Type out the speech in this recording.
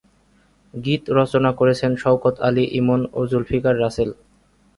গীত রচনা করেছেন শওকত আলী ইমন ও জুলফিকার রাসেল।